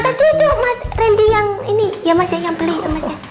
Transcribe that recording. tadi tuh mas lendy yang ini ya mas ya yang beli emasnya